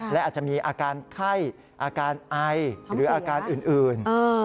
และอาจจะมีอาการไข้อาการไอหรืออาการอื่น